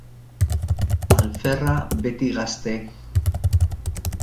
Alferra beti gazte